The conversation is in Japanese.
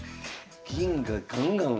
銀がガンガン。